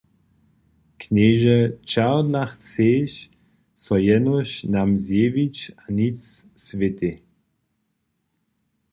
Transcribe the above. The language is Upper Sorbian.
Knježe, čehodla chceš so jenož nam zjewić a nic swětej?